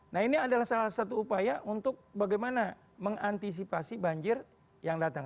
nah ini adalah salah satu upaya untuk bagaimana mengantisipasi banjir yang datang